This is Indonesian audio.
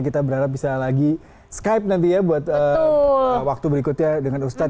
kita berharap bisa lagi skype nanti ya buat waktu berikutnya dengan ustadz